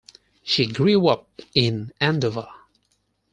She grew up in Andover.